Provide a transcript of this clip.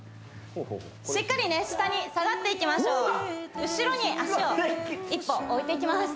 しっかりね下に下がっていきましょう後ろに足を一歩置いていきます